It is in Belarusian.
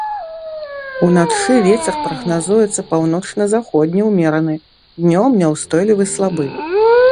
Уначы вецер прагназуецца паўночна-заходні ўмераны, днём няўстойлівы слабы.